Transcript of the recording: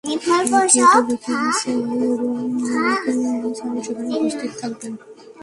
Kate Beckinsale এবং Nick Mason সেখানে উপস্থিত থাকবেন।